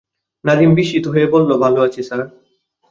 নাজিম বিস্মিত হয়ে বলল, ভালো আছি, স্যার।